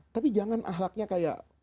tapi jangan ahlaknya kayak